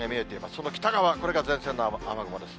その北側、これが前線の雨雲です。